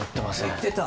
言ってた。